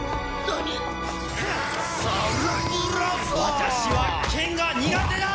私は剣が苦手だ！